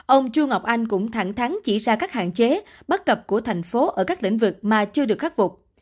ông chu ngọc anh cũng thẳng thắn chỉ ra các hạn chế bất cập của thành phố ở các lĩnh vực mà chưa được khắc phục